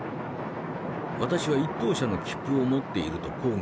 私は１等車の切符を持っていると抗議した。